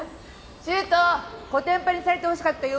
柊人コテンパンにされてほしかったよ